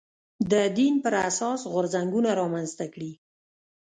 د دین پر اساس غورځنګونه رامنځته کړي